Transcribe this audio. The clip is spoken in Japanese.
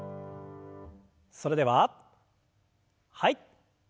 それでははい。